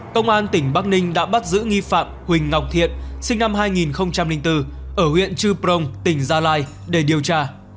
công an tỉnh bắc ninh đã bắt giữ nghi phạm huỳnh ngọc thiện sinh năm hai nghìn bốn ở huyện chư prong tỉnh gia lai để điều tra